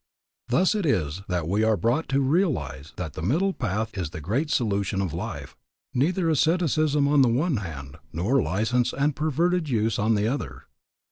Thus it is that we are brought to realize that the middle path is the great solution of life; neither asceticism on the one hand nor license and perverted use on the other.